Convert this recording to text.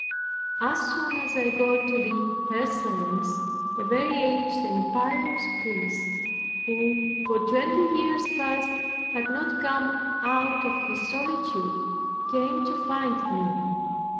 As soon as I got to the Ursulines, a very aged and pious priest, who for twenty years past had not come out of his solitude, came to find me.